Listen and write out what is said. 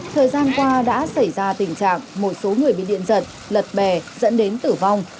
thời gian qua đã xảy ra tình trạng một số người bị điện giật lật bè dẫn đến tử vong